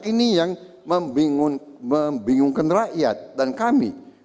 ini yang membingungkan rakyat dan kami